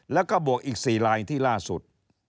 แล้วก็บวกอีก๔ลายที่ล่าสุด